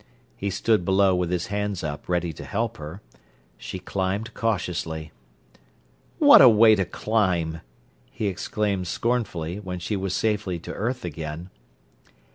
He stood below with his hands up ready to help her. She climbed cautiously. "What a way to climb!" he exclaimed scornfully, when she was safely to earth again.